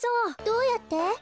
どうやって？